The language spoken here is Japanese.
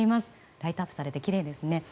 ライトアップされてきれいですね。